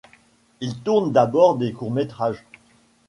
Il tourne d'abord des courts métrages.